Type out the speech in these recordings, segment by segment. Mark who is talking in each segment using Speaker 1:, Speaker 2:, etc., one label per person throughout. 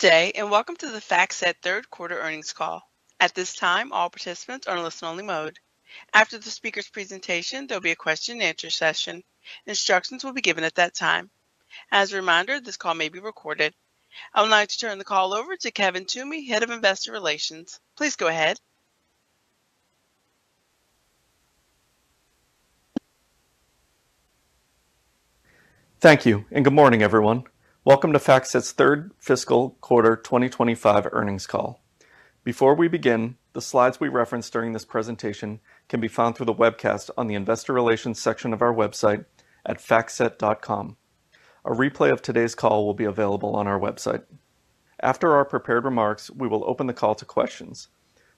Speaker 1: Good day, and welcome to the Set third quarter earnings call. At this time, all participants are in listen-only mode. After the speaker's presentation, there will be a question-and-answer session. Instructions will be given at that time. As a reminder, this call may be recorded. I would like to turn the call over to Kevin Toomey, Head of Investor Relations. Please go ahead.
Speaker 2: Thank you, and good morning, everyone. Welcome to FactSet's Third Fiscal Quarter 2025 Earnings Call. Before we begin, the slides we referenced during this presentation can be found through the webcast on the Investor Relations section of our website at factset.com. A replay of today's call will be available on our website. After our prepared remarks, we will open the call to questions.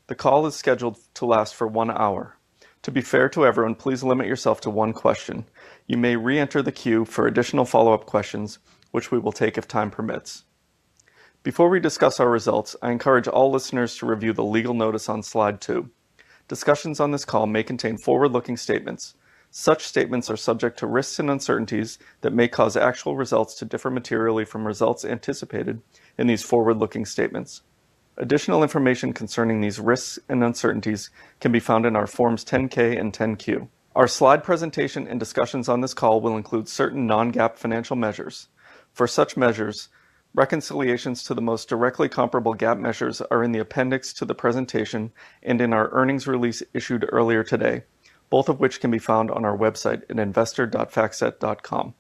Speaker 2: The call is scheduled to last for one hour. To be fair to everyone, please limit yourself to one question. You may re-enter the queue for additional follow-up questions, which we will take if time permits. Before we discuss our results, I encourage all listeners to review the legal notice on slide two. Discussions on this call may contain forward-looking statements. Such statements are subject to risks and uncertainties that may cause actual results to differ materially from results anticipated in these forward-looking statements. Additional information concerning these risks and uncertainties can be found in our Forms 10-K and 10-Q. Our slide presentation and discussions on this call will include certain non-GAAP financial measures. For such measures, reconciliations to the most directly comparable GAAP measures are in the appendix to the presentation and in our earnings release issued earlier today, both of which can be found on our website at investor.factset.com.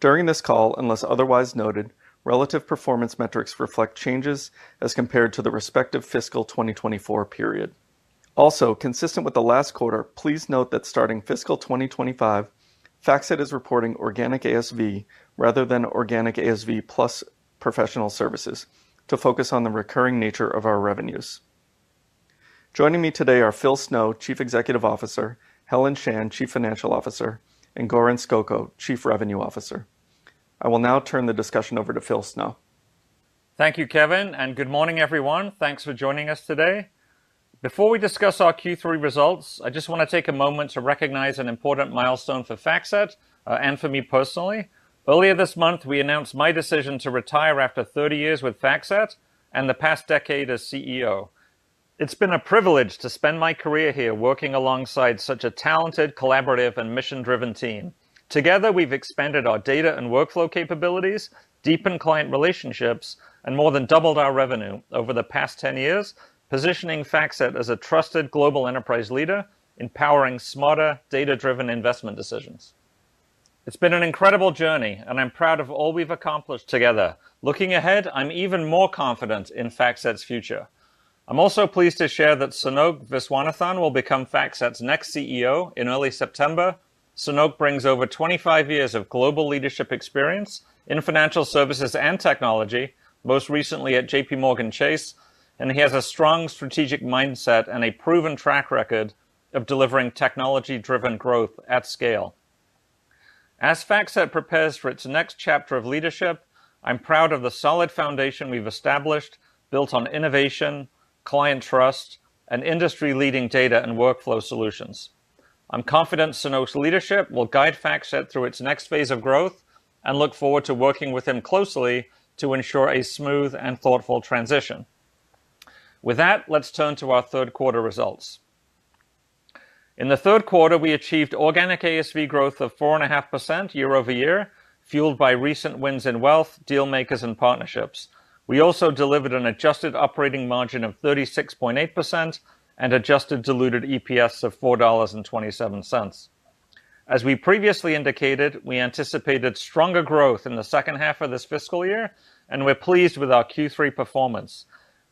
Speaker 2: During this call, unless otherwise noted, relative performance metrics reflect changes as compared to the respective fiscal 2024 period. Also, consistent with the last quarter, please note that starting fiscal 2025, FactSet is reporting organic ASV rather than organic ASV plus professional services to focus on the recurring nature of our revenues. Joining me today are Phil Snow, Chief Executive Officer, Helen Shan, Chief Financial Officer, and Goran Skoko, Chief Revenue Officer. I will now turn the discussion over to Phil Snow.
Speaker 3: Thank you, Kevin, and good morning, everyone. Thanks for joining us today. Before we discuss our Q3 results, I just want to take a moment to recognize an important milestone for FactSet and for me personally. Earlier this month, we announced my decision to retire after 30 years with FactSet and the past decade as CEO. It's been a privilege to spend my career here working alongside such a talented, collaborative, and mission-driven team. Together, we've expanded our data and workflow capabilities, deepened client relationships, and more than doubled our revenue over the past 10 years, positioning FactSet as a trusted global enterprise leader, empowering smarter, data-driven investment decisions.
Speaker 4: It's been an incredible journey, and I'm proud of all we've accomplished together. Looking ahead, I'm even more confident in FactSet's future. I'm also pleased to share that Sanoke Viswanathan will become FactSet's next CEO in early September. Sanoke brings over 25 years of global leadership experience in financial services and technology, most recently at JPMorgan Chase, and he has a strong strategic mindset and a proven track record of delivering technology-driven growth at scale. As FactSet prepares for its next chapter of leadership, I'm proud of the solid foundation we've established, built on innovation, client trust, and industry-leading data and workflow solutions. I'm confident Sanoke's leadership will guide FactSet through its next phase of growth and look forward to working with him closely to ensure a smooth and thoughtful transition. With that, let's turn to our third quarter results. In the third quarter, we achieved organic ASV growth of 4.5% year over year, fueled by recent wins in wealth, dealmakers, and partnerships. We also delivered an adjusted operating margin of 36.8% and adjusted diluted EPS of $4.27.As we previously indicated, we anticipated stronger growth in the second half of this fiscal year, and we're pleased with our Q3 performance.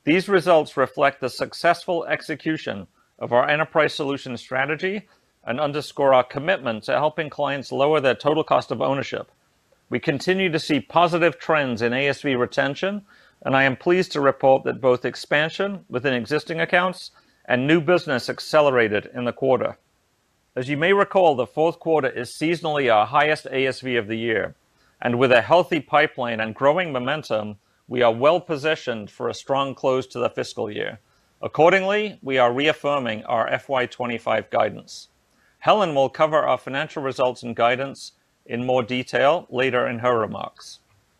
Speaker 4: These results reflect the successful execution of our enterprise solution strategy and underscore our commitment to helping clients lower their total cost of ownership. We continue to see positive trends in ASV retention, and I am pleased to report that both expansion within existing accounts and new business accelerated in the quarter. As you may recall, the fourth quarter is seasonally our highest ASV of the year, and with a healthy pipeline and growing momentum, we are well positioned for a strong close to the fiscal year. Accordingly, we are reaffirming our FY25 guidance. Helen will cover our financial results and guidance in more detail later in her remarks.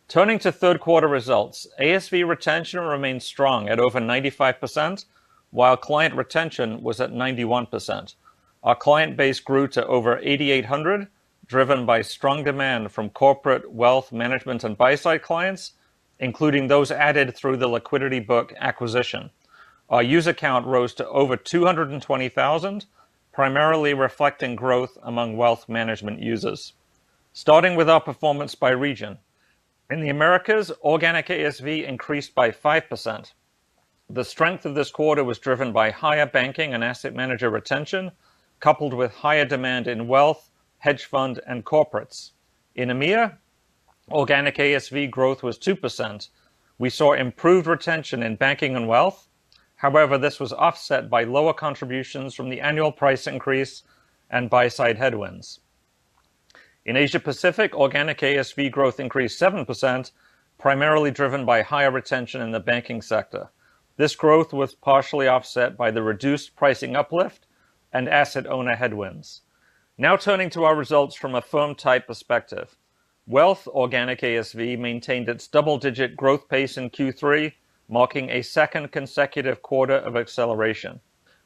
Speaker 4: Turning to third quarter results, ASV retention remained strong at over 95%, while client retention was at 91%. Our client base grew to over 8,800, driven by strong demand from corporate, wealth management, and buy-side clients, including those added through the LiquidityBook acquisition. Our user account rose to over 220,000, primarily reflecting growth among wealth management users. Starting with our performance by region, in the Americas, organic ASV increased by 5%. The strength of this quarter was driven by higher banking and asset manager retention, coupled with higher demand in wealth, hedge fund, and corporates. In EMEA, organic ASV growth was 2%. We saw improved retention in banking and wealth. However, this was offset by lower contributions from the annual price increase and buy-side headwinds. In Asia Pacific, organic ASV growth increased 7%, primarily driven by higher retention in the banking sector. This growth was partially offset by the reduced pricing uplift and asset owner headwinds. Now turning to our results from a firm-type perspective, wealth organic ASV maintained its double-digit growth pace in Q3, marking a second consecutive quarter of acceleration.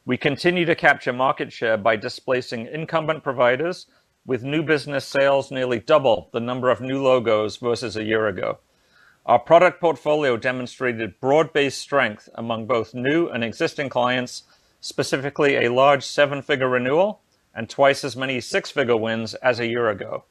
Speaker 4: We continue to capture market share by displacing incumbent providers, with new business sales nearly double the number of new logos versus a year ago. Our product portfolio demonstrated broad-based strength among both new and existing clients, specifically a large seven-figure renewal and twice as many six-figure wins as a year ago.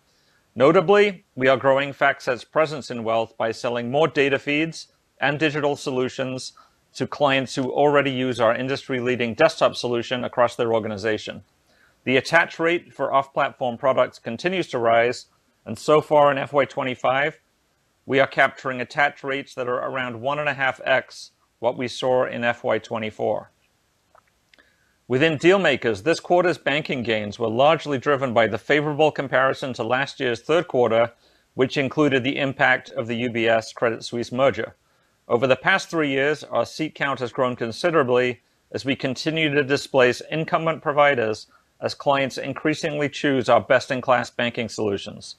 Speaker 4: Notably, we are growing FactSet's presence in wealth by selling more data feeds and digital solutions to clients who already use our industry-leading desktop solution across their organization. The attach rate for off-platform products continues to rise, and so far in FY2025, we are capturing attach rates that are around 1.5x what we saw in FY2024.Within dealmakers, this quarter's banking gains were largely driven by the favorable comparison to last year's third quarter, which included the impact of the UBS-Credit Suisse merger. Over the past three years, our seat count has grown considerably as we continue to displace incumbent providers as clients increasingly choose our best-in-class banking solutions.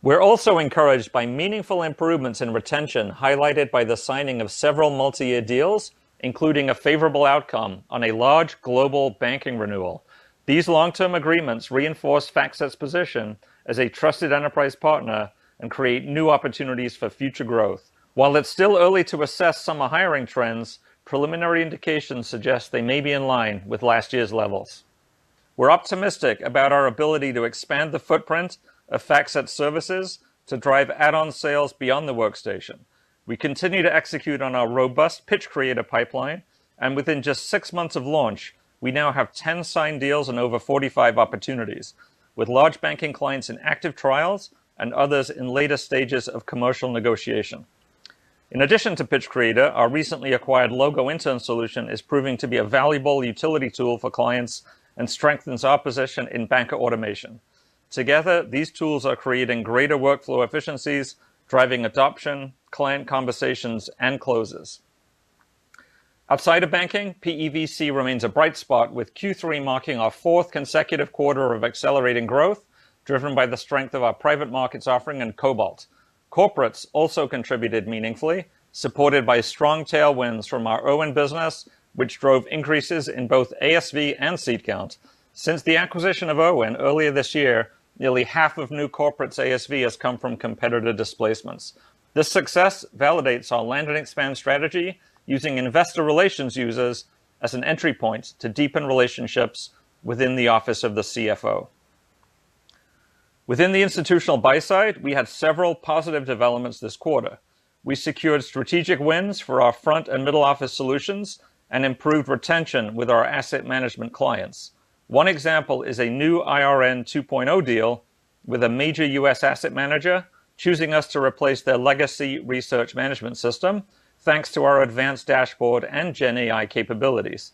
Speaker 4: We're also encouraged by meaningful improvements in retention highlighted by the signing of several multi-year deals, including a favorable outcome on a large global banking renewal. These long-term agreements reinforce FactSet's position as a trusted enterprise partner and create new opportunities for future growth. While it's still early to assess summer hiring trends, preliminary indications suggest they may be in line with last year's levels. We're optimistic about our ability to expand the footprint of FactSet services to drive add-on sales beyond the workstation. We continue to execute on our robust Pitch Creator pipeline, and within just six months of launch, we now have 10 signed deals and over 45 opportunities, with large banking clients in active trials and others in later stages of commercial negotiation. In addition to Pitch Creator, our recently acquired Logo Intern solution is proving to be a valuable utility tool for clients and strengthens our position in banker automation. Together, these tools are creating greater workflow efficiencies, driving adoption, client conversations, and closes. Outside of banking, PEVC remains a bright spot, with Q3 marking our fourth consecutive quarter of accelerating growth, driven by the strength of our private markets offering and Cobalt. Corporates also contributed meaningfully, supported by strong tailwinds from our Owen business, which drove increases in both ASV and seat count. Since the acquisition of Owen earlier this year, nearly half of new corporates' ASV has come from competitor displacements. This success validates our land and expand strategy, using investor relations users as an entry point to deepen relationships within the office of the CFO. Within the institutional buy-side, we had several positive developments this quarter. We secured strategic wins for our front and middle office solutions and improved retention with our asset management clients. One example is a new IRN 2.0 deal with a major U.S. asset manager choosing us to replace their legacy research management system, thanks to our advanced dashboard and GenAI capabilities.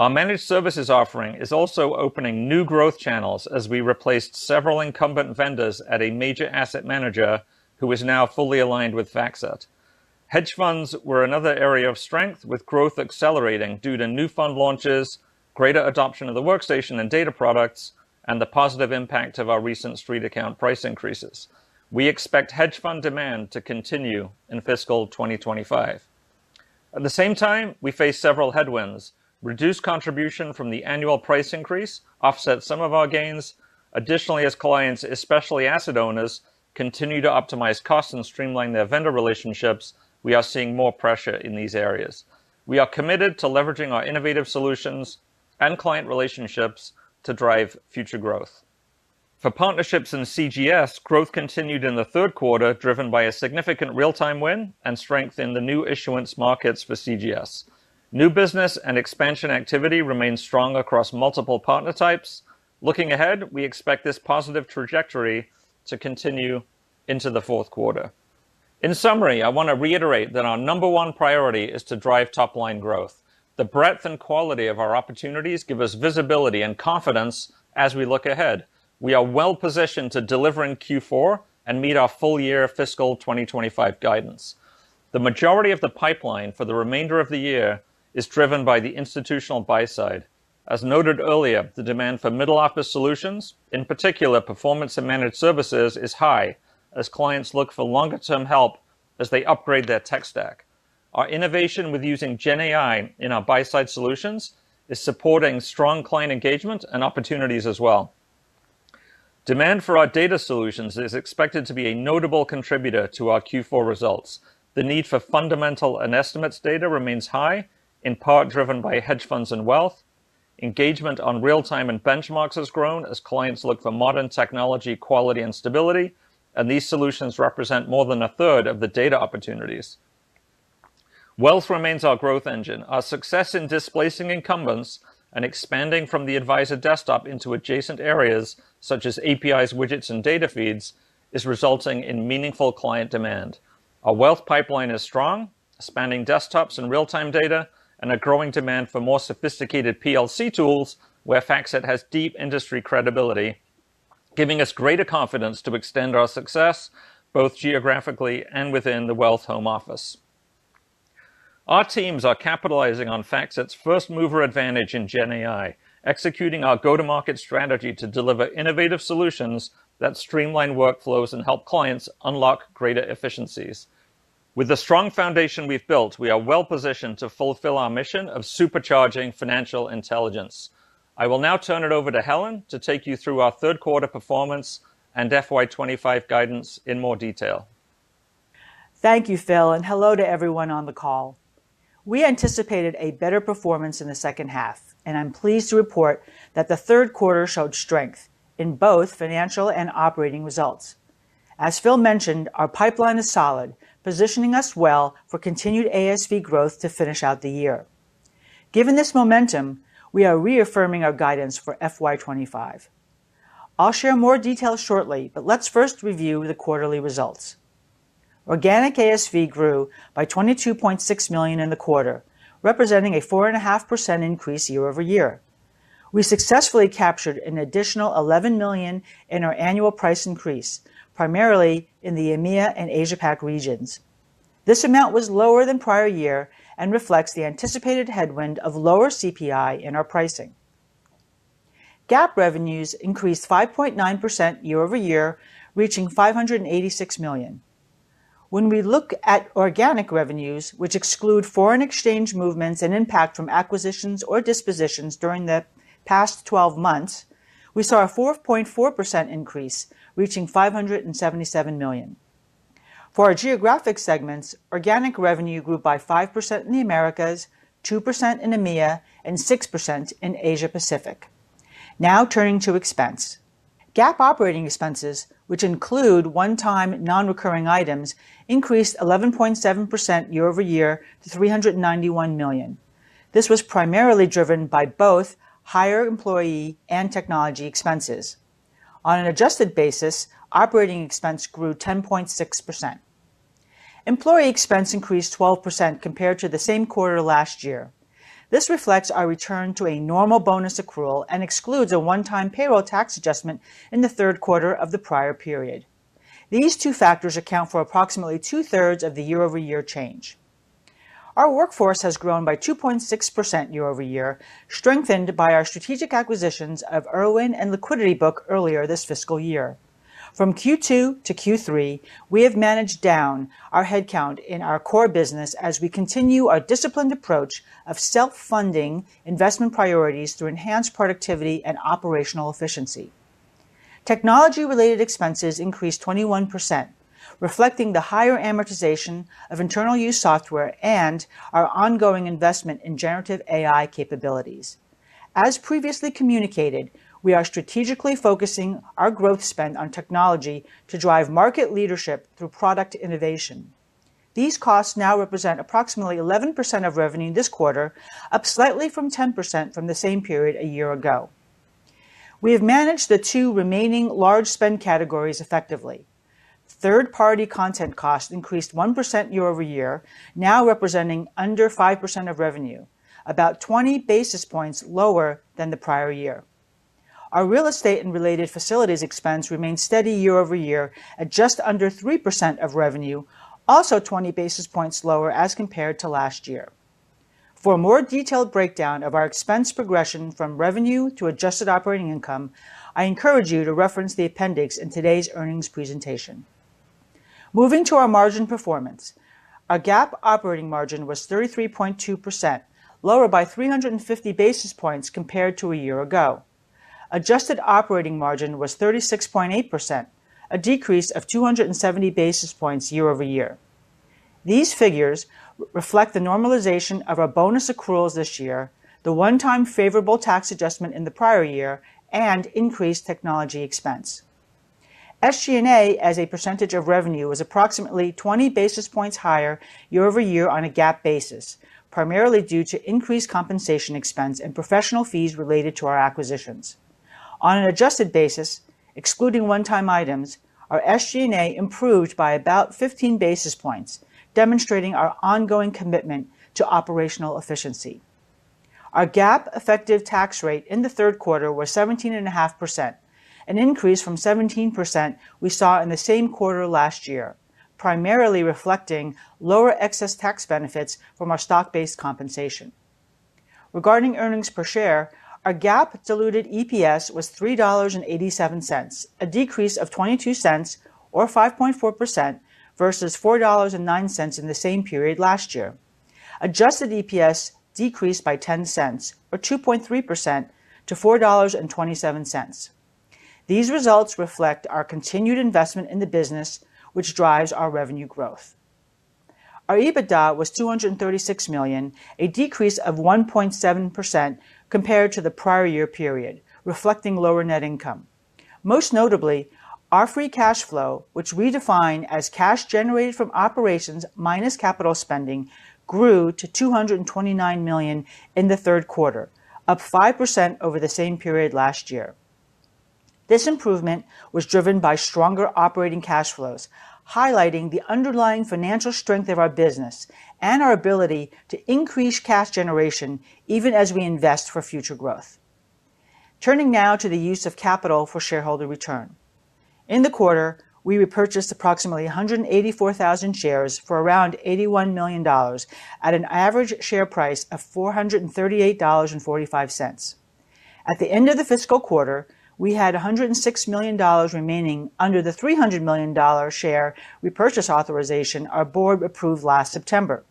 Speaker 4: Our managed services offering is also opening new growth channels as we replaced several incumbent vendors at a major asset manager who is now fully aligned with FactSet.Hedge funds were another area of strength, with growth accelerating due to new fund launches, greater adoption of the Workstation and data products, and the positive impact of our recent Street Account price increases. We expect hedge fund demand to continue in fiscal 2025. At the same time, we face several headwinds. Reduced contribution from the annual price increase offsets some of our gains. Additionally, as clients, especially asset owners, continue to optimize costs and streamline their vendor relationships, we are seeing more pressure in these areas. We are committed to leveraging our innovative solutions and client relationships to drive future growth. For partnerships in CGS, growth continued in the third quarter, driven by a significant real-time win and strength in the new issuance markets for CGS. New business and expansion activity remained strong across multiple partner types. Looking ahead, we expect this positive trajectory to continue into the fourth quarter. In summary, I want to reiterate that our number one priority is to drive top-line growth. The breadth and quality of our opportunities give us visibility and confidence as we look ahead. We are well positioned to deliver in Q4 and meet our full-year fiscal 2025 guidance. The majority of the pipeline for the remainder of the year is driven by the institutional buy-side. As noted earlier, the demand for middle office solutions, in particular performance and managed services, is high as clients look for longer-term help as they upgrade their tech stack. Our innovation with using GenAI in our buy-side solutions is supporting strong client engagement and opportunities as well. Demand for our data solutions is expected to be a notable contributor to our Q4 results. The need for fundamental and estimates data remains high, in part driven by hedge funds and wealth. Engagement on real-time and benchmarks has grown as clients look for modern technology, quality, and stability, and these solutions represent more than a third of the data opportunities. Wealth remains our growth engine. Our success in displacing incumbents and expanding from the advisor desktop into adjacent areas such as APIs, widgets, and data feeds is resulting in meaningful client demand. Our wealth pipeline is strong, spanning desktops and real-time data, and a growing demand for more sophisticated PLC tools where FactSet has deep industry credibility, giving us greater confidence to extend our success both geographically and within the Wealth Home office. Our teams are capitalizing on FactSet's first-mover advantage in GenAI, executing our go-to-market strategy to deliver innovative solutions that streamline workflows and help clients unlock greater efficiencies. With the strong foundation we've built, we are well positioned to fulfill our mission of supercharging financial intelligence. I will now turn it over to Helen to take you through our third quarter performance and FY25 guidance in more detail. Thank you, Phil, and hello to everyone on the call. We anticipated a better performance in the second half, and I'm pleased to report that the third quarter showed strength in both financial and operating results. As Phil mentioned, our pipeline is solid, positioning us well for continued ASV growth to finish out the year. Given this momentum, we are reaffirming our guidance for FY25. I'll share more details shortly, but let's first review the quarterly results. Organic ASV grew by $22.6 million in the quarter, representing a 4.5% increase year over year. We successfully captured an additional $11 million in our annual price increase, primarily in the EMEA and Asia Pacific regions. This amount was lower than prior year and reflects the anticipated headwind of lower CPI in our pricing. GAAP revenues increased 5.9% year over year, reaching $586 million. When we look at organic revenues, which exclude foreign exchange movements and impact from acquisitions or dispositions during the past 12 months, we saw a 4.4% increase, reaching $577 million. For our geographic segments, organic revenue grew by 5% in the Americas, 2% in EMEA, and 6% in Asia Pacific. Now turning to expense. GAAP operating expenses, which include one-time non-recurring items, increased 11.7% year over year to $391 million. This was primarily driven by both higher employee and technology expenses. On an adjusted basis, operating expense grew 10.6%. Employee expense increased 12% compared to the same quarter last year. This reflects our return to a normal bonus accrual and excludes a one-time payroll tax adjustment in the third quarter of the prior period. These two factors account for approximately two-thirds of the year-over-year change. Our workforce has grown by 2.6% year over year, strengthened by our strategic acquisitions of Irwin and LiquidityBook earlier this fiscal year. From Q2 - Q3, we have managed down our headcount in our core business as we continue our disciplined approach of self-funding investment priorities to enhance productivity and operational efficiency. Technology-related expenses increased 21%, reflecting the higher amortization of internal-use software and our ongoing investment in generative AI capabilities. As previously communicated, we are strategically focusing our growth spend on technology to drive market leadership through product innovation. These costs now represent approximately 11% of revenue this quarter, up slightly from 10% from the same period a year ago. We have managed the two remaining large spend categories effectively. Third-party content costs increased 1% year over year, now representing under 5% of revenue, about 20 basis points lower than the prior year. Our real estate and related facilities expense remained steady year over year, at just under 3% of revenue, also 20 basis points lower as compared to last year. For a more detailed breakdown of our expense progression from revenue to adjusted operating income, I encourage you to reference the appendix in today's earnings presentation. Moving to our margin performance, our GAAP operating margin was 33.2%, lower by 350 basis points compared to a year ago. Adjusted operating margin was 36.8%, a decrease of 270 basis points year over year. These figures reflect the normalization of our bonus accruals this year, the one-time favorable tax adjustment in the prior year, and increased technology expense. SG&A as a percentage of revenue was approximately 20 basis points higher year over year on a GAAP basis, primarily due to increased compensation expense and professional fees related to our acquisitions. On an adjusted basis, excluding one-time items, our SG&A improved by about 15 basis points, demonstrating our ongoing commitment to operational efficiency. Our GAAP effective tax rate in the third quarter was 17.5%, an increase from 17% we saw in the same quarter last year, primarily reflecting lower excess tax benefits from our stock-based compensation. Regarding earnings per share, our GAAP diluted EPS was $3.87, a decrease of 22 cents, or 5.4% versus $4.09 in the same period last year. Adjusted EPS decreased by 10 cents, or 2.3%, to $4.27. These results reflect our continued investment in the business, which drives our revenue growth. Our EBITDA was $236 million, a decrease of 1.7% compared to the prior year period, reflecting lower net income. Most notably, our free cash flow, which we define as cash generated from operations minus capital spending, grew to $229 million in the third quarter, up 5% over the same period last year. This improvement was driven by stronger operating cash flows, highlighting the underlying financial strength of our business and our ability to increase cash generation even as we invest for future growth. Turning now to the use of capital for shareholder return. In the quarter, we repurchased approximately 184,000 shares for around $81 million at an average share price of $438.45. At the end of the fiscal quarter, we had $106 million remaining under the $300 million share repurchase authorization our board approved last September.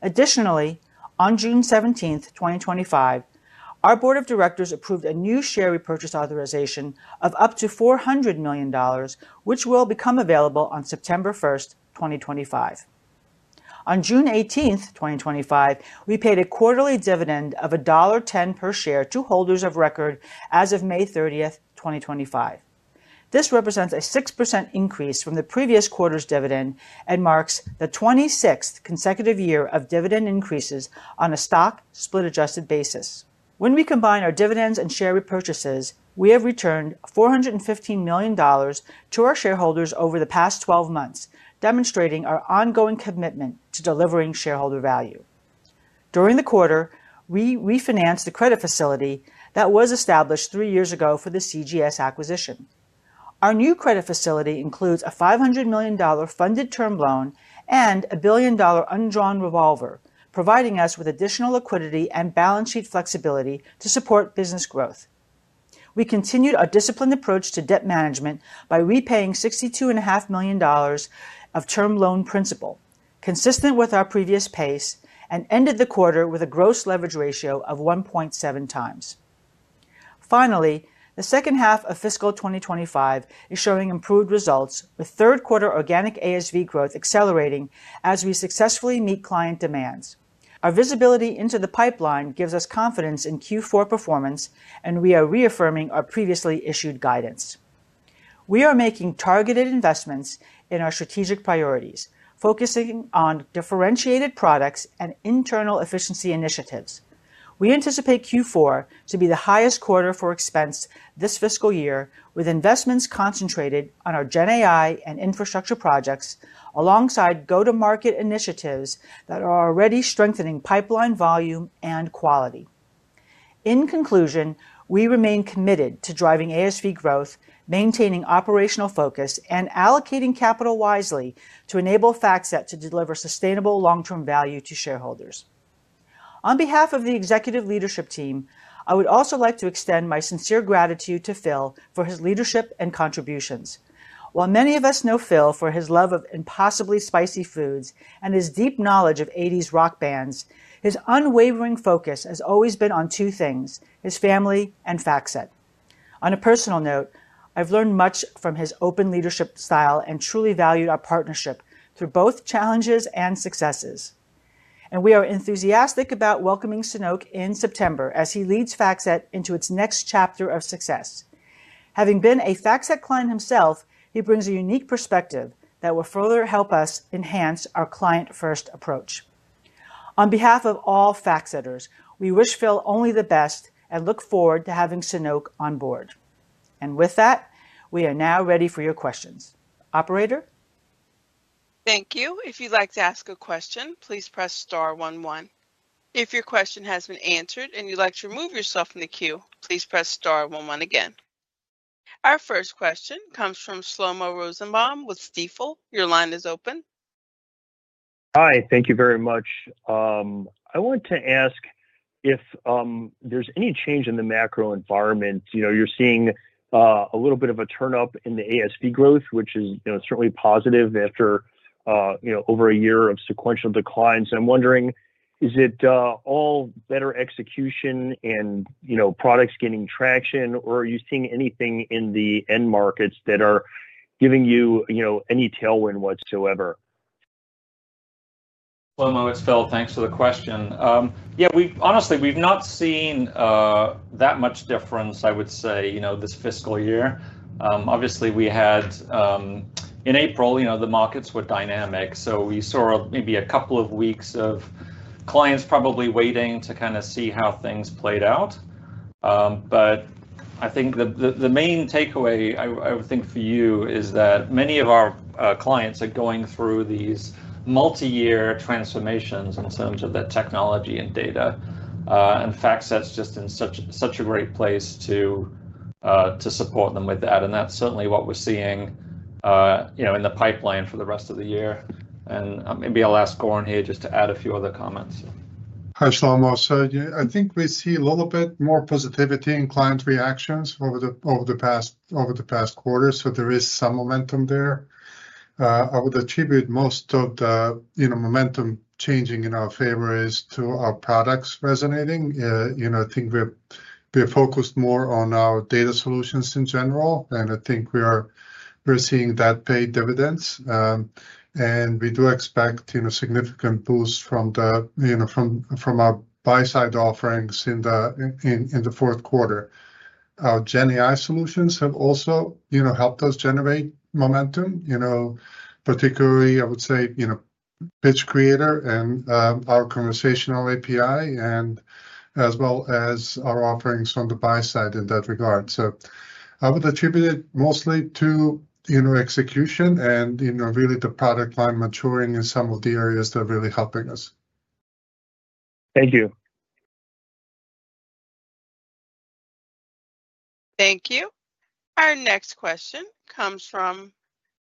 Speaker 4: Additionally, on June 17, 2025, our board of directors approved a new share repurchase authorization of up to $400 million, which will become available on September 1, 2025. On June 18, 2025, we paid a quarterly dividend of $1.10 per share to holders of record as of May 30, 2025. This represents a 6% increase from the previous quarter's dividend and marks the 26th consecutive year of dividend increases on a stock split-adjusted basis. When we combine our dividends and share repurchases, we have returned $415 million to our shareholders over the past 12 months, demonstrating our ongoing commitment to delivering shareholder value. During the quarter, we refinanced the credit facility that was established three years ago for the CGS acquisition. Our new credit facility includes a $500 million funded term loan and a $1 billion undrawn revolver, providing us with additional liquidity and balance sheet flexibility to support business growth. We continued our disciplined approach to debt management by repaying $62.5 million of term loan principal, consistent with our previous pace, and ended the quarter with a gross leverage ratio of 1.7 times. Finally, the second half of fiscal 2025 is showing improved results, with third-quarter organic ASV growth accelerating as we successfully meet client demands. Our visibility into the pipeline gives us confidence in Q4 performance, and we are reaffirming our previously issued guidance. We are making targeted investments in our strategic priorities, focusing on differentiated products and internal efficiency initiatives. We anticipate Q4 to be the highest quarter for expense this fiscal year, with investments concentrated on our GenAI and infrastructure projects alongside go-to-market initiatives that are already strengthening pipeline volume and quality. In conclusion, we remain committed to driving ASV growth, maintaining operational focus, and allocating capital wisely to enable FactSet to deliver sustainable long-term value to shareholders. On behalf of the executive leadership team, I would also like to extend my sincere gratitude to Phil for his leadership and contributions. While many of us know Phil for his love of impossibly spicy foods and his deep knowledge of '80s rock bands, his unwavering focus has always been on two things: his family and FactSet. On a personal note, I've learned much from his open leadership style and truly valued our partnership through both challenges and successes. We are enthusiastic about welcoming Sanoke in September as he leads FactSet into its next chapter of success. Having been a FactSet client himself, he brings a unique perspective that will further help us enhance our client-first approach. On behalf of all FactSetters, we wish Phil only the best and look forward to having Sanoke on board. With that, we are now ready for your questions. Operator?
Speaker 1: Thank you. If you'd like to ask a question, please press star 11. If your question has been answered and you'd like to remove yourself from the queue, please press star 11 again. Our first question comes from Shlomo Rosenbaum with Stifel. Your line is open.
Speaker 5: Hi, thank you very much. I want to ask if there's any change in the macro environment. You're seeing a little bit of a turnup in the ASV growth, which is certainly positive after over a year of sequential declines. I'm wondering, is it all better execution and products gaining traction, or are you seeing anything in the end markets that are giving you any tailwind whatsoever?
Speaker 3: Thank you for the question. Yeah, honestly, we've not seen that much difference, I would say, this fiscal year. Obviously, in April, the markets were dynamic, so we saw maybe a couple of weeks of clients probably waiting to kind of see how things played out. I think the main takeaway, I would think, for you is that many of our clients are going through these multi-year transformations in terms of that technology and data. FactSet's just in such a great place to support them with that. That's certainly what we're seeing in the pipeline for the rest of the year. Maybe I'll ask Goran here just to add a few other comments.
Speaker 6: Hi, Shlomo. I think we see a little bit more positivity in client reactions over the past quarter, so there is some momentum there. I would attribute most of the momentum changing in our favor is to our products resonating. I think we're focused more on our data solutions in general, and I think we're seeing that pay dividends. We do expect a significant boost from our buy-side offerings in the fourth quarter. Our GenAI solutions have also helped us generate momentum, particularly, I would say, Pitch Creator and our Conversational API, as well as our offerings on the buy-side in that regard. I would attribute it mostly to execution and really the product line maturing in some of the areas that are really helping us.
Speaker 5: Thank you.
Speaker 1: Thank you. Our next question comes from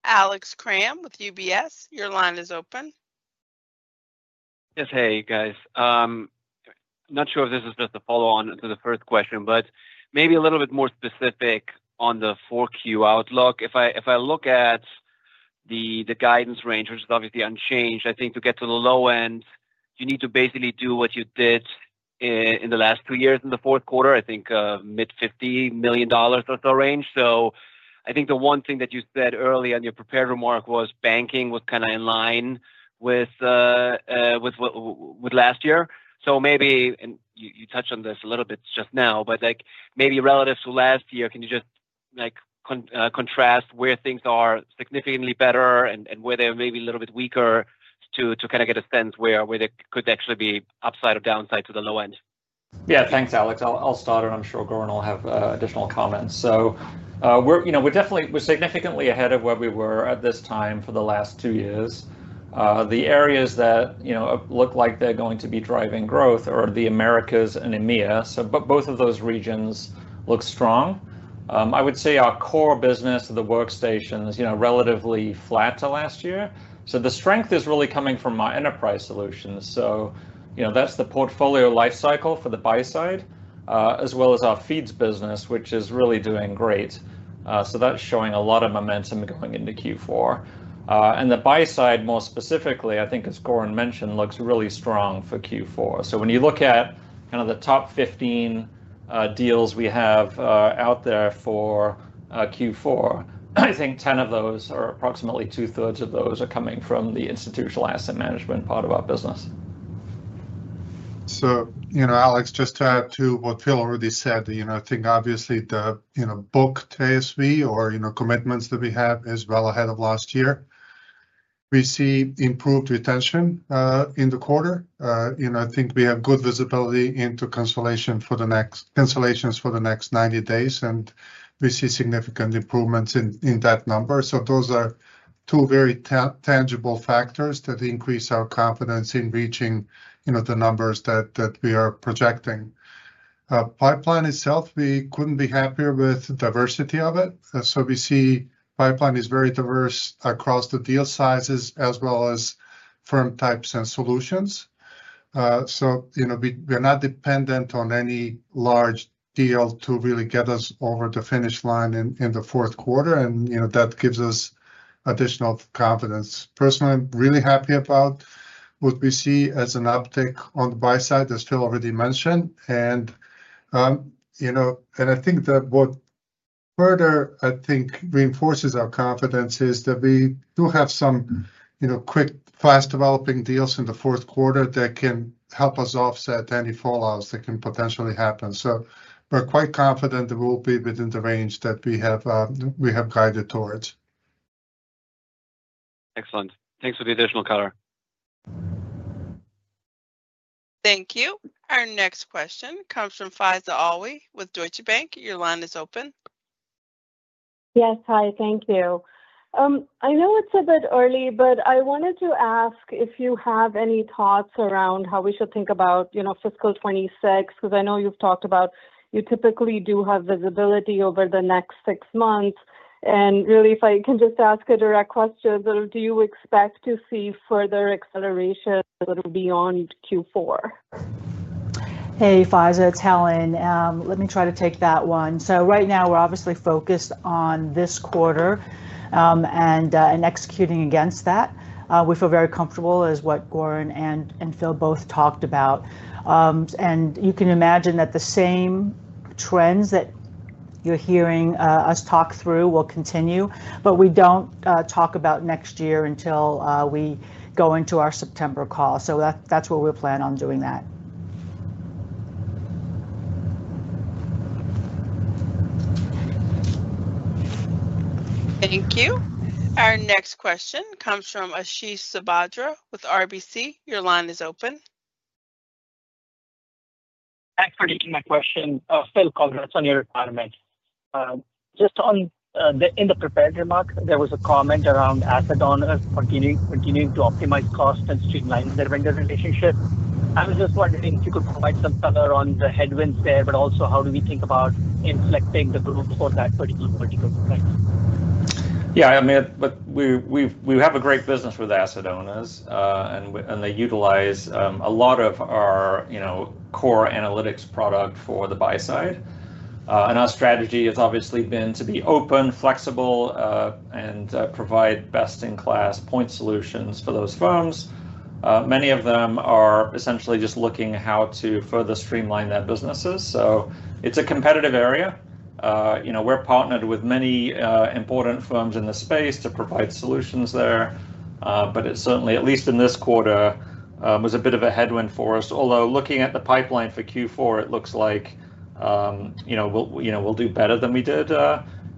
Speaker 1: Alex Kramm with UBS. Your line is open.
Speaker 7: Yes, hey, guys. I'm not sure if this is just a follow-on to the first question, but maybe a little bit more specific on the 4Q outlook. If I look at the guidance range, which is obviously unchanged, I think to get to the low end, you need to basically do what you did in the last two years in the fourth quarter, I think mid-$50 million or so range. I think the one thing that you said early on your prepared remark was banking was kind of in line with last year. Maybe you touched on this a little bit just now, but maybe relative to last year, can you just contrast where things are significantly better and where they're maybe a little bit weaker to kind of get a sense where there could actually be upside or downside to the low end?
Speaker 3: Yeah, thanks, Alex. I'll start, and I'm sure Goran will have additional comments. We're significantly ahead of where we were at this time for the last two years. The areas that look like they're going to be driving growth are the Americas and EMEA. Both of those regions look strong. I would say our core business, the workstations, is relatively flat to last year. The strength is really coming from our enterprise solutions. That is the Portfolio Lifecycle for the buy-side, as well as our feeds business, which is really doing great. That is showing a lot of momentum going into Q4. The buy-side, more specifically, I think, as Goran mentioned, looks really strong for Q4. When you look at kind of the top 15 deals we have out there for Q4, I think 10 of those, or approximately two-thirds of those, are coming from the institutional asset management part of our business.
Speaker 6: Alex, just to add to what Phil already said, I think obviously the booked ASV or commitments that we have are well ahead of last year. We see improved retention in the quarter. I think we have good visibility into cancellations for the next 90 days, and we see significant improvements in that number. Those are two very tangible factors that increase our confidence in reaching the numbers that we are projecting. Pipeline itself, we could not be happier with the diversity of it. We see pipeline is very diverse across the deal sizes as well as firm types and solutions. We are not dependent on any large deal to really get us over the finish line in the fourth quarter, and that gives us additional confidence. Personally, I am really happy about what we see as an uptick on the buy-side as Phil already mentioned.I think that what further, I think, reinforces our confidence is that we do have some quick, fast-developing deals in the fourth quarter that can help us offset any fallouts that can potentially happen. We are quite confident that we will be within the range that we have guided towards. Excellent. Thanks for the additional color.
Speaker 1: Thank you. Our next question comes from Faiza Alwy with Deutsche Bank. Your line is open.
Speaker 8: Yes, hi, thank you. I know it is a bit early, but I wanted to ask if you have any thoughts around how we should think about fiscal 2026, because I know you have talked about you typically do have visibility over the next six months. And really, if I can just ask a direct question, do you expect to see further acceleration beyond Q4?
Speaker 4: Hey, Faiza, it is Helen. Let me try to take that one. Right now, we're obviously focused on this quarter and executing against that. We feel very comfortable, as what Goran and Phil both talked about. You can imagine that the same trends that you're hearing us talk through will continue, but we don't talk about next year until we go into our September call. That's where we'll plan on doing that.
Speaker 1: Thank you. Our next question comes from Ashish Sabadra with RBC. Your line is open.
Speaker 9: Thanks for taking my question. Phil Congrats, on your retirement. Just in the prepared remark, there was a comment around asset owners continuing to optimize costs and streamline their vendor relationship. I was just wondering if you could provide some color on the headwinds there, but also how do we think about inflecting the group for that particular complex?
Speaker 3: Yeah, I mean, we have a great business with asset owners, and they utilize a lot of our core analytics product for the buy-side. Our strategy has obviously been to be open, flexible, and provide best-in-class point solutions for those firms. Many of them are essentially just looking at how to further streamline their businesses. It is a competitive area. We are partnered with many important firms in the space to provide solutions there, but it certainly, at least in this quarter, was a bit of a headwind for us. Although looking at the pipeline for Q4, it looks like we will do better than we did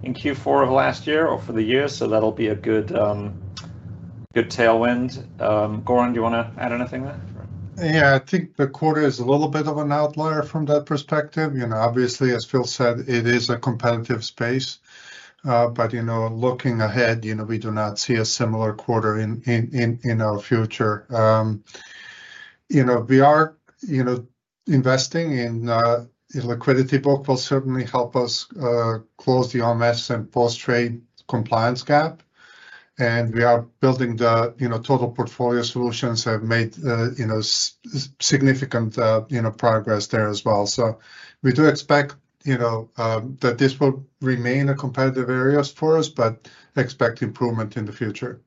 Speaker 3: in Q4 of last year or for the year, so that will be a good tailwind. Goran, do you want to add anything there? Yeah, I think the quarter is a little bit of an outlier from that perspective.
Speaker 6: Obviously, as Phil said, it is a competitive space, but looking ahead, we do not see a similar quarter in our future. We are investing in LiquidityBook; it will certainly help us close the OMS and post-trade compliance gap. We are building the total portfolio solutions that have made significant progress there as well. We do expect that this will remain a competitive area for us, but expect improvement in the future.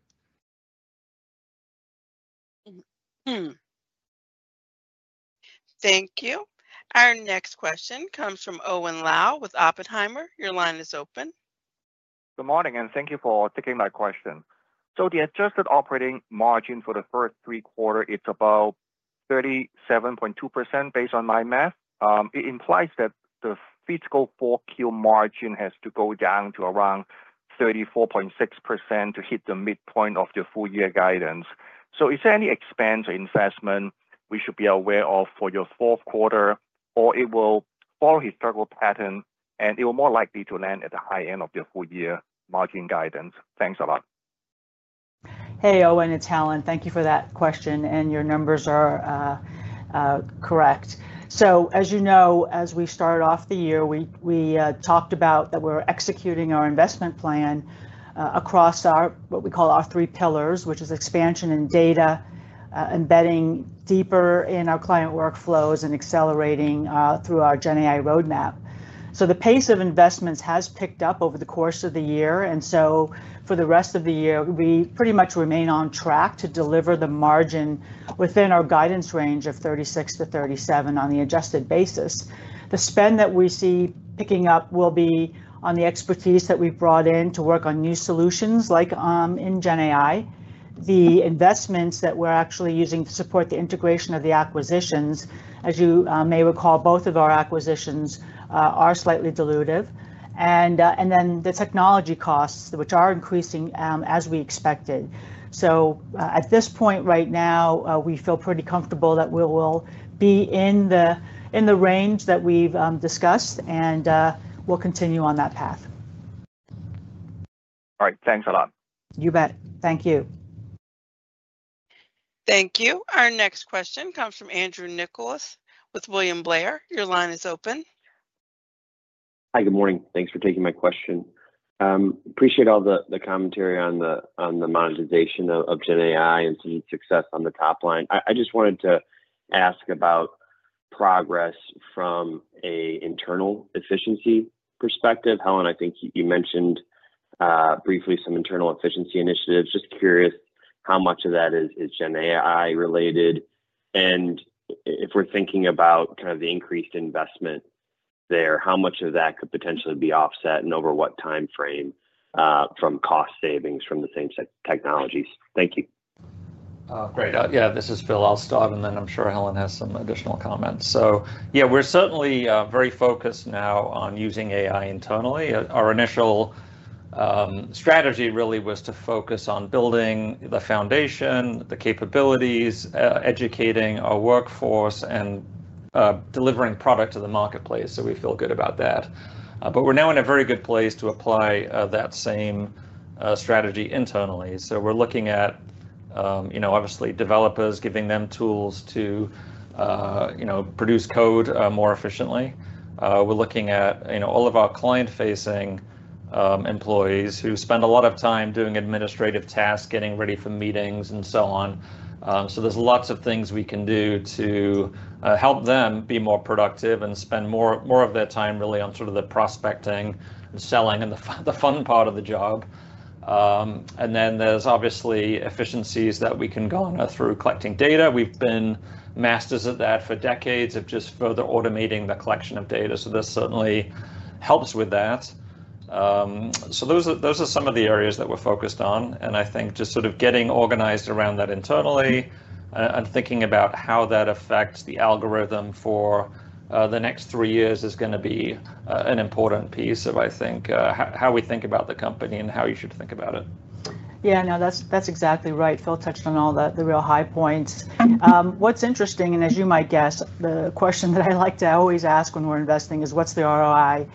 Speaker 1: Thank you. Our next question comes from Owen Lau with Oppenheimer. Your line is open.
Speaker 10: Good morning, and thank you for taking my question. The adjusted operating margin for the first three quarters, it is about 37.2% based on my math. It implies that the fiscal 4Q margin has to go down to around 34.6% to hit the midpoint of the full-year guidance. Is there any expense or investment we should be aware of for your fourth quarter, or it will follow a historical pattern, and it will be more likely to land at the high end of the full-year margin guidance? Thanks a lot.
Speaker 4: Hey, Owen and thank you for that question, and your numbers are correct. As you know, as we started off the year, we talked about that we're executing our investment plan across what we call our three pillars, which is expansion in data, embedding deeper in our client workflows, and accelerating through our GenAI roadmap. The pace of investments has picked up over the course of the year, and for the rest of the year, we pretty much remain on track to deliver the margin within our guidance range of 36%-37% on the adjusted basis.
Speaker 3: The spend that we see picking up will be on the expertise that we've brought in to work on new solutions like in GenAI. The investments that we're actually using to support the integration of the acquisitions, as you may recall, both of our acquisitions are slightly dilutive. The technology costs, which are increasing as we expected. At this point right now, we feel pretty comfortable that we will be in the range that we've discussed, and we'll continue on that path.
Speaker 10: All right, thanks a lot.
Speaker 4: You bet. Thank you.
Speaker 1: Thank you. Our next question comes from Andrew Nicholas with William Blair. Your line is open.
Speaker 11: Hi, good morning. Thanks for taking my question. Appreciate all the commentary on the monetization of GenAI and some of the success on the top line. I just wanted to ask about progress from an internal efficiency perspective. Helen, I think you mentioned briefly some internal efficiency initiatives. Just curious how much of that is GenAI-related, and if we're thinking about kind of the increased investment there, how much of that could potentially be offset and over what timeframe from cost savings from the same technologies? Thank you.
Speaker 3: Great. Yeah, this is Phil. I'll start, and then I'm sure Helen has some additional comments. Yeah, we're certainly very focused now on using AI internally. Our initial strategy really was to focus on building the foundation, the capabilities, educating our workforce, and delivering product to the marketplace. We feel good about that. We're now in a very good place to apply that same strategy internally. We're looking at, obviously, developers, giving them tools to produce code more efficiently. We're looking at all of our client-facing employees who spend a lot of time doing administrative tasks, getting ready for meetings, and so on. There are lots of things we can do to help them be more productive and spend more of their time really on sort of the prospecting and selling and the fun part of the job. There are obviously efficiencies that we can garner through collecting data. We've been masters at that for decades of just further automating the collection of data. This certainly helps with that. Those are some of the areas that we're focused on. I think just sort of getting organized around that internally and thinking about how that affects the algorithm for the next three years is going to be an important piece of, I think, how we think about the company and how you should think about it.
Speaker 4: Yeah, no, that's exactly right. Phil touched on all the real high points. What's interesting, and as you might guess, the question that I like to always ask when we're investing is, what's the ROI?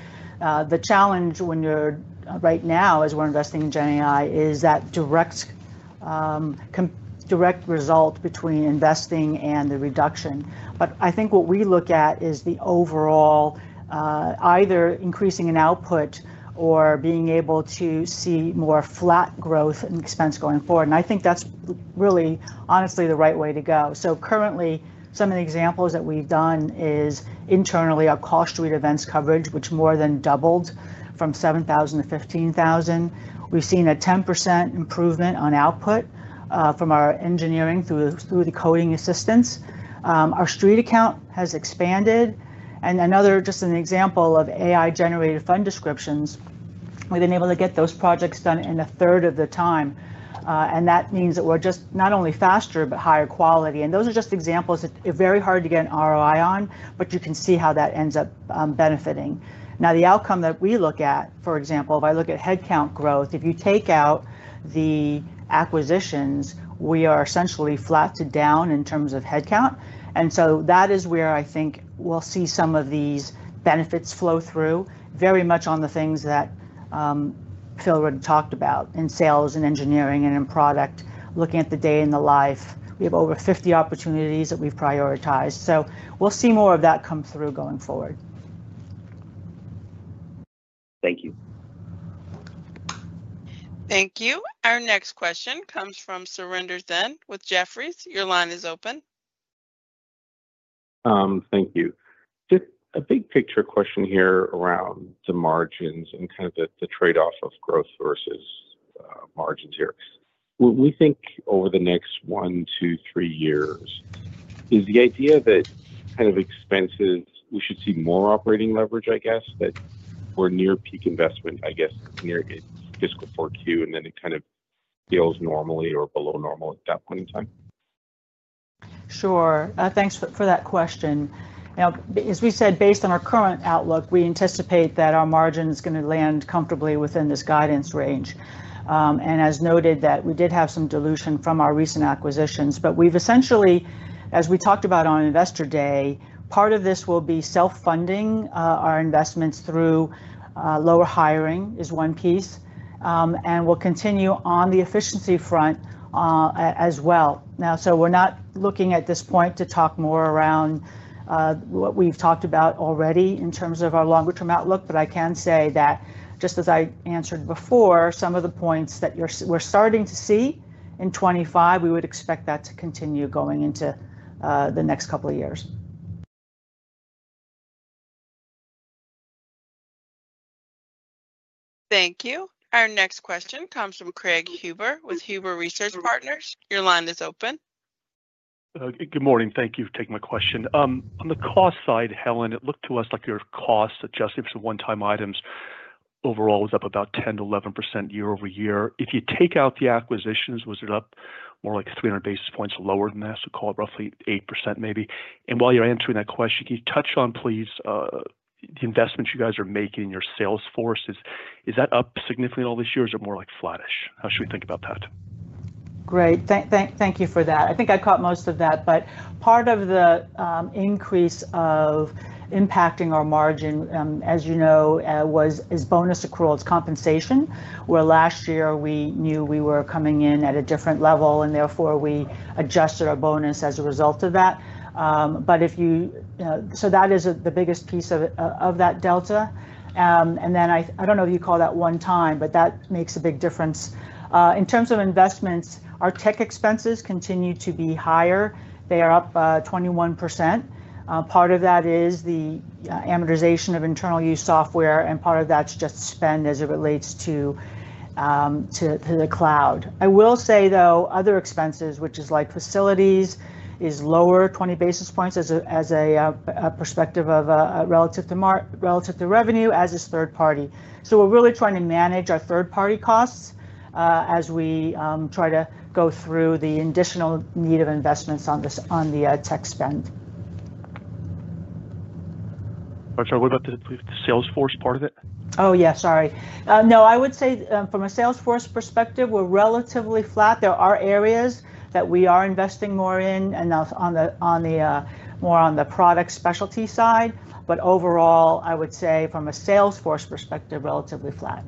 Speaker 4: The challenge right now as we're investing in GenAI is that direct result between investing and the reduction. I think what we look at is the overall either increasing in output or being able to see more flat growth in expense going forward. I think that's really, honestly, the right way to go. Currently, some of the examples that we've done is internally our cost street events coverage, which more than doubled from 7,000 to 15,000. We've seen a 10% improvement on output from our engineering through the coding assistance. Our Street Account has expanded. Another, just an example of AI-generated fund descriptions, we have been able to get those projects done in a third of the time. That means that we are not only faster, but higher quality. Those are just examples that are very hard to get an ROI on, but you can see how that ends up benefiting. Now, the outcome that we look at, for example, if I look at headcount growth, if you take out the acquisitions, we are essentially flat to down in terms of headcount. That is where I think we will see some of these benefits flow through very much on the things that Phil already talked about in sales and engineering and in product, looking at the day in the life. We have over 50 opportunities that we have prioritized. We will see more of that come through going forward.
Speaker 11: Thank you.
Speaker 1: Thank you. Our next question comes from Surinder Thind with Jefferies. Your line is open.
Speaker 12: Thank you. Just a big picture question here around the margins and kind of the trade-off of growth versus margins here. What we think over the next one, two, three years is the idea that kind of expenses, we should see more operating leverage, I guess, that we're near peak investment, I guess, near fiscal Q4, and then it kind of feels normally or below normal at that point in time.
Speaker 4: Sure. Thanks for that question. Now, as we said, based on our current outlook, we anticipate that our margin is going to land comfortably within this guidance range. And as noted, we did have some dilution from our recent acquisitions, but we've essentially, as we talked about on investor day, part of this will be self-funding our investments through lower hiring is one piece. We'll continue on the efficiency front as well. Now, we're not looking at this point to talk more around what we've talked about already in terms of our longer-term outlook, but I can say that just as I answered before, some of the points that we're starting to see in 2025, we would expect that to continue going into the next couple of years.
Speaker 1: Thank you. Our next question comes from Craig Huber with Huber Research Partners. Your line is open.
Speaker 13: Good morning. Thank you for taking my question. On the cost side, Helen, it looked to us like your cost adjusted for some one-time items overall was up about 10% - 11% year over year. If you take out the acquisitions, was it up more like 300 basis points lower than that? So call it roughly 8% maybe. While you're answering that question, can you touch on, please, the investments you guys are making in your sales forces? Is that up significantly all this year or is it more like flattish? How should we think about that?
Speaker 4: Great. Thank you for that. I think I caught most of that, but part of the increase of impacting our margin, as you know, is bonus accruals compensation, where last year we knew we were coming in at a different level, and therefore we adjusted our bonus as a result of that. If you—so that is the biggest piece of that delta. I do not know if you call that one time, but that makes a big difference. In terms of investments, our tech expenses continue to be higher. They are up 21%. Part of that is the amortization of internal use software, and part of that is just spend as it relates to the cloud. I will say, though, other expenses, which is like facilities, is lower 20 basis points as a perspective of relative to revenue, as is third party. So we are really trying to manage our third-party costs as we try to go through the additional need of investments on the tech spend. I'm sorry, what about the sales force part of it? Oh, yeah, sorry. No, I would say from a sales force perspective, we are relatively flat. There are areas that we are investing more in and more on the product specialty side. But overall, I would say from a sales force perspective, relatively flat.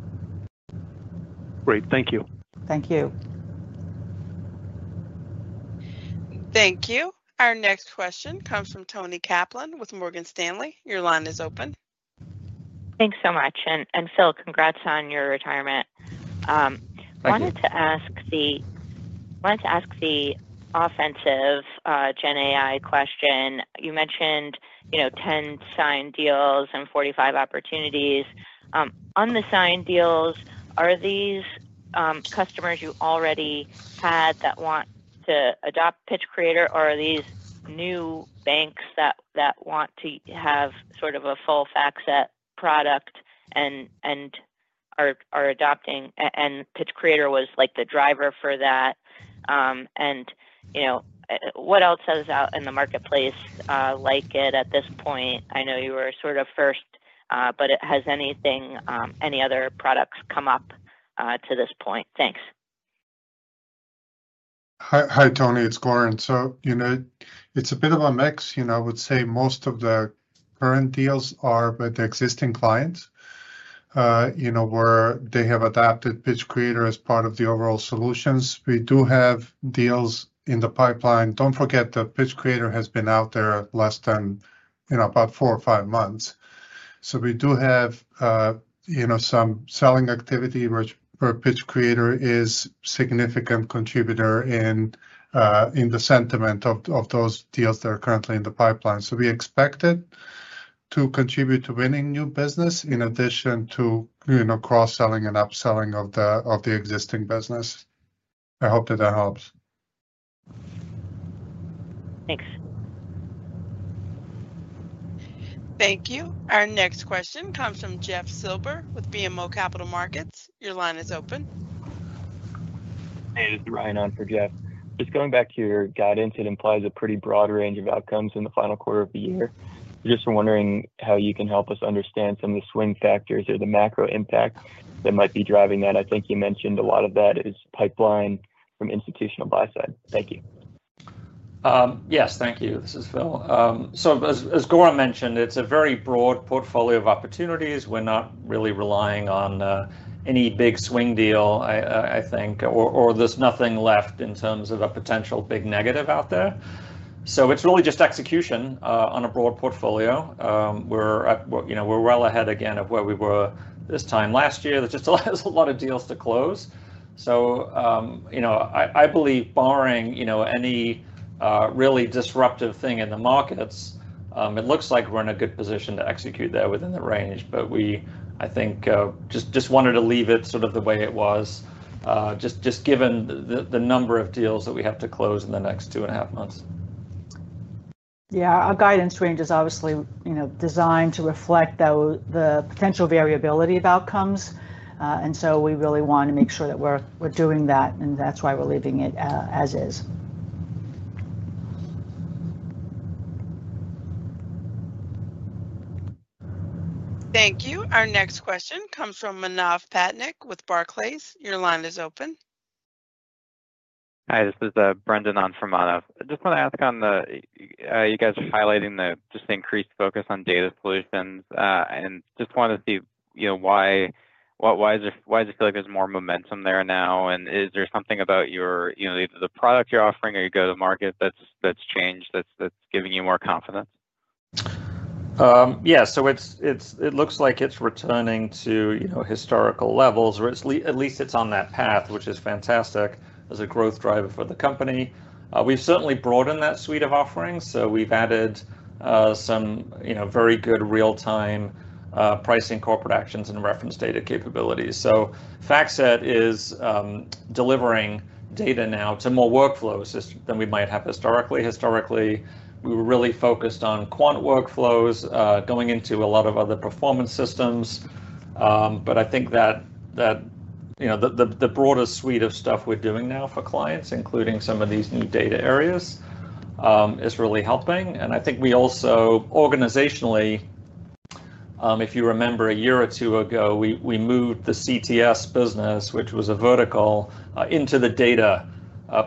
Speaker 13: Great. Thank you.
Speaker 4: Thank you. Thank you. Our next question comes from Toni Kaplan with Morgan Stanley. Your line is open.
Speaker 14: Thanks so much. Phil, congrats on your retirement. I wanted to ask the offensive GenAI question. You mentioned 10 signed deals and 45 opportunities. On the signed deals, are these customers you already had that want to adopt Pitch Creator, or are these new banks that want to have sort of a full FactSet product and are adopting? Pitch Creator was like the driver for that. What else is out in the marketplace like it at this point? I know you were sort of first, but has any other products come up to this point? Thanks.
Speaker 6: Hi, Toni. It's Goran. It's a bit of a mix. I would say most of the current deals are with existing clients where they have adopted Pitch Creator as part of the overall solutions. We do have deals in the pipeline. Don't forget that Pitch Creator has been out there less than about four or five months. So we do have some selling activity, where Pitch Creator is a significant contributor in the sentiment of those deals that are currently in the pipeline. So we expect it to contribute to winning new business in addition to cross-selling and upselling of the existing business. I hope that that helps.
Speaker 14: Thanks.
Speaker 1: Thank you. Our next question comes from Jeff Silber with BMO Capital Markets. Your line is open.
Speaker 15: Hey, this is Ryan on for Jeff. Just going back to your guidance, it implies a pretty broad range of outcomes in the final quarter of the year. Just wondering how you can help us understand some of the swing factors or the macro impact that might be driving that. I think you mentioned a lot of that is pipeline from institutional buy-side. Thank you.
Speaker 3: Yes, thank you. This is Phil. As Goran mentioned, it's a very broad portfolio of opportunities. We're not really relying on any big swing deal, I think, or there's nothing left in terms of a potential big negative out there. It's really just execution on a broad portfolio. We're well ahead again of where we were this time last year. There's just a lot of deals to close. I believe barring any really disruptive thing in the markets, it looks like we're in a good position to execute there within the range. I think just wanted to leave it sort of the way it was, just given the number of deals that we have to close in the next two and a half months.
Speaker 4: Our guidance range is obviously designed to reflect the potential variability of outcomes. We really want to make sure that we're doing that, and that's why we're leaving it as is.
Speaker 1: Thank you. Our next question comes from Manav Patnaik with Barclays. Your line is open.
Speaker 16: Hi, this is Brendan on for Manav. Just want to ask on the—you guys are highlighting just the increased focus on data solutions. Just want to see why does it feel like there's more momentum there now? Is there something about either the product you're offering or your go-to-market that's changed that's giving you more confidence?
Speaker 3: Yeah. It looks like it's returning to historical levels, or at least it's on that path, which is fantastic as a growth driver for the company. We've certainly broadened that suite of offerings. We've added some very good real-time pricing, corporate actions, and reference data capabilities. FactSet is delivering data now to more workflows than we might have historically. Historically, we were really focused on quant workflows going into a lot of other performance systems. I think that the broader suite of stuff we are doing now for clients, including some of these new data areas, is really helping. I think we also organizationally, if you remember a year or two ago, we moved the CTS business, which was a vertical, into the data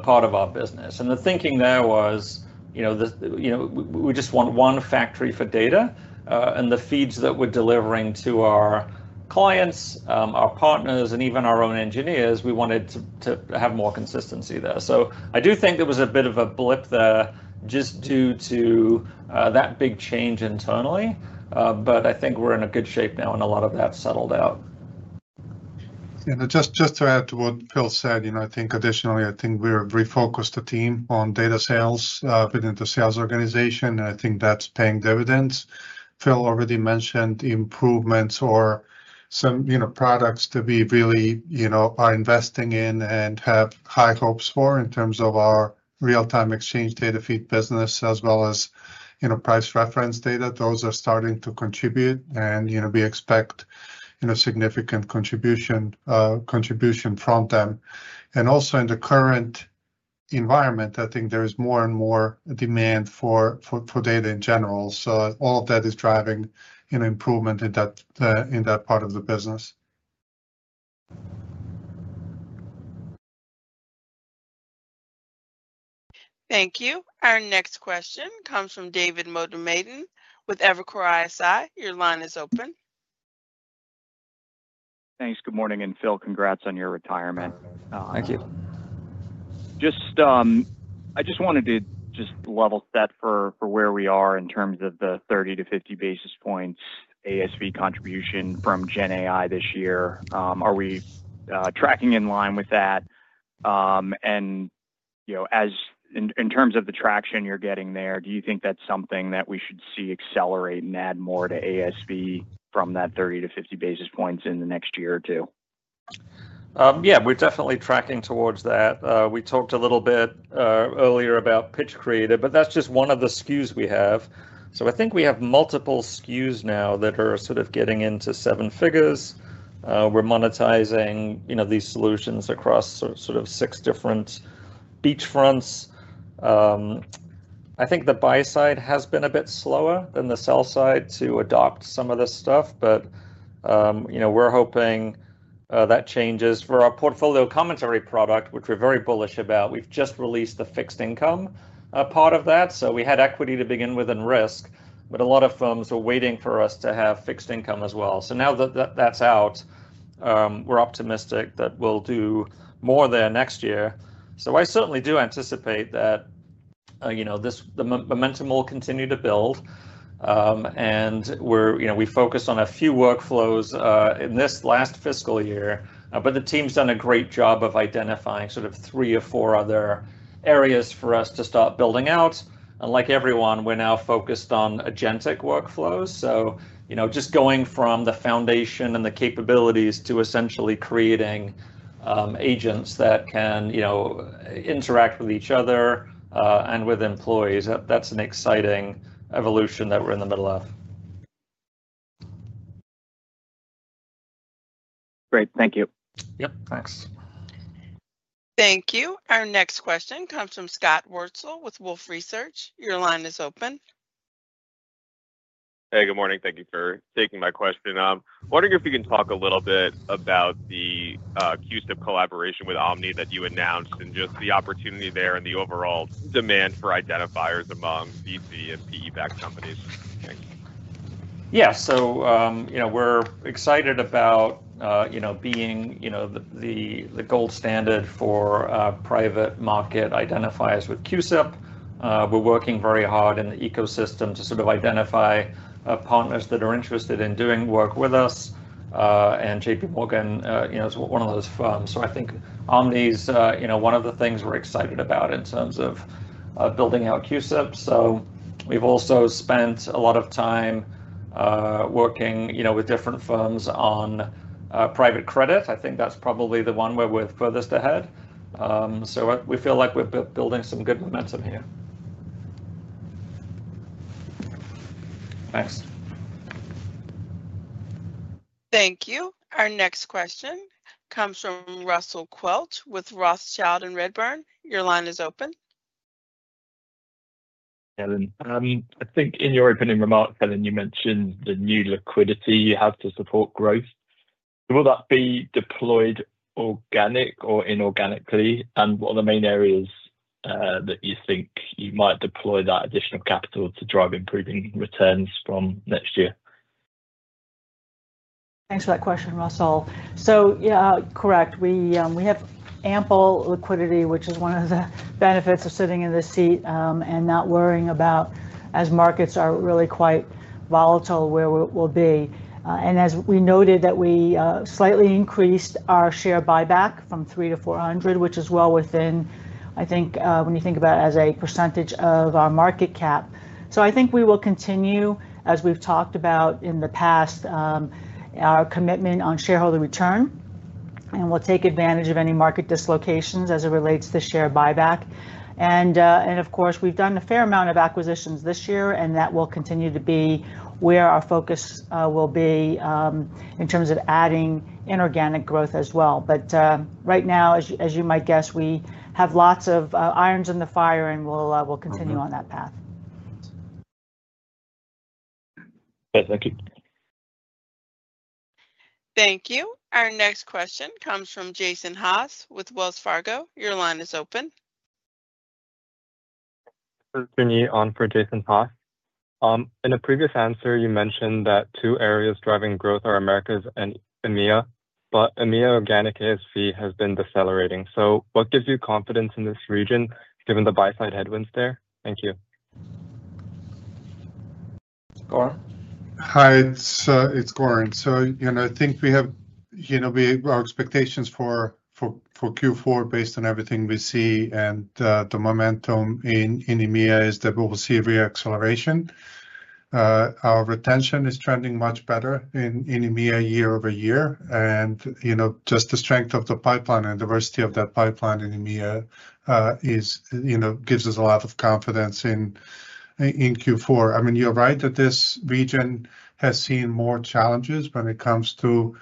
Speaker 3: part of our business. The thinking there was we just want one factory for data. The feeds that we are delivering to our clients, our partners, and even our own engineers, we wanted to have more consistency there. I do think there was a bit of a blip there just due to that big change internally. I think we're in a good shape now and a lot of that's settled out.
Speaker 6: Yeah. Just to add to what Phil said, I think additionally, I think we refocused the team on data sales within the sales organization. I think that's paying dividends. Phil already mentioned improvements or some products that we really are investing in and have high hopes for in terms of our real-time exchange data feed business as well as price reference data. Those are starting to contribute, and we expect a significant contribution from them. Also in the current environment, I think there is more and more demand for data in general. All of that is driving improvement in that part of the business.
Speaker 1: Thank you. Our next question comes from David Motemaden with Evercore ISI. Your line is open.
Speaker 17: Thanks. Good morning. Phil, congrats on your retirement.
Speaker 3: Thank you.
Speaker 17: I just wanted to level set for where we are in terms of the 30-50 basis points ASV contribution from GenAI this year. Are we tracking in line with that? In terms of the traction you're getting there, do you think that's something that we should see accelerate and add more to ASV from that 30-50 basis points in the next year or two?
Speaker 3: Yeah. We're definitely tracking towards that. We talked a little bit earlier about Pitch Creator, but that's just one of the SKUs we have. I think we have multiple SKUs now that are sort of getting into seven figures. We're monetizing these solutions across six different beach fronts. I think the buy-side has been a bit slower than the sell-side to adopt some of this stuff, but we're hoping that changes for our portfolio commentary product, which we're very bullish about. We've just released the fixed income part of that. We had equity to begin with and risk, but a lot of firms were waiting for us to have fixed income as well. Now that that's out, we're optimistic that we'll do more there next year. I certainly do anticipate that the momentum will continue to build. We focus on a few workflows in this last fiscal year, but the team's done a great job of identifying sort of three or four other areas for us to start building out. Like everyone, we're now focused on agentic workflows. Just going from the foundation and the capabilities to essentially creating agents that can interact with each other and with employees, that's an exciting evolution that we're in the middle of.
Speaker 17: Great. Thank you.
Speaker 1: Yep. Thanks. Thank you. Our next question comes from Scott Wurzel with Wolfe Research. Your line is open.
Speaker 18: Hey, good morning. Thank you for taking my question. Wondering if you can talk a little bit about the CUSIP collaboration with Omni that you announced and just the opportunity there and the overall demand for identifiers among VC and PE-backed companies. Thanks.
Speaker 3: Yeah. We're excited about being the gold standard for private market identifiers with CUSIP. We're working very hard in the ecosystem to sort of identify partners that are interested in doing work with us. JPMorgan is one of those firms. I think Omni is one of the things we're excited about in terms of building out CUSIP. We've also spent a lot of time working with different firms on private credit. I think that's probably the one where we're furthest ahead. We feel like we're building some good momentum here.
Speaker 1: Thank you. Our next question comes from Russell Quelch with Rothschild and Redburn. Your line is open.
Speaker 19: I think in your opening remarks, Helen, you mentioned the new liquidity you have to support growth. Will that be deployed organic or inorganically? What are the main areas that you think you might deploy that additional capital to drive improving returns from next year?
Speaker 4: Thanks for that question, Russell. Yeah, correct. We have ample liquidity, which is one of the benefits of sitting in this seat and not worrying about as markets are really quite volatile where we'll be. As we noted, we slightly increased our share buyback from $300 million to $400 million, which is well within, I think, when you think about it as a percentage of our market cap. I think we will continue, as we've talked about in the past, our commitment on shareholder return. We'll take advantage of any market dislocations as it relates to share buyback. Of course, we've done a fair amount of acquisitions this year, and that will continue to be where our focus will be in terms of adding inorganic growth as well. Right now, as you might guess, we have lots of irons in the fire, and we'll continue on that path.
Speaker 19: Thanks. Thank you.
Speaker 1: Thank you.vOur next question comes from Jason Haas with Wells Fargo. Your line is open.
Speaker 20: This is Vinny on for Jason Haas. In a previous answer, you mentioned that two areas driving growth are Americas and EMEA, but EMEA organic ASV has been decelerating. So what gives you confidence in this region given the buy-side headwinds there? Thank you. Goran?
Speaker 6: Hi, it's Goran. I think we have our expectations for Q4 based on everything we see, and the momentum in EMEA is that we will see a reacceleration. Our retention is trending much better in EMEA year over year. Just the strength of the pipeline and diversity of that pipeline in EMEA gives us a lot of confidence in Q4. I mean, you're right that this region has seen more challenges when it comes to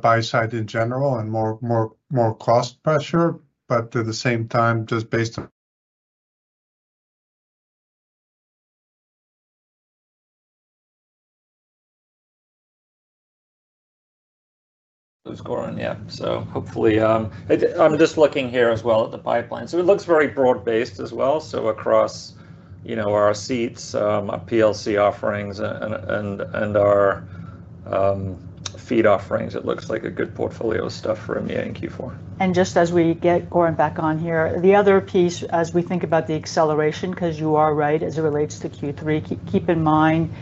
Speaker 6: buy-side in general and more cost pressure. At the same time, just based on—
Speaker 3: that's Goran, yeah. Hopefully, I'm just looking here as well at the pipeline. It looks very broad-based as well. Across our seats, our PLC offerings, and our feed offerings, it looks like a good portfolio of stuff for EMEA in Q4.
Speaker 4: Just as we get Goran back on here, the other piece as we think about the acceleration, because you are right as it relates to Q3, keep in mind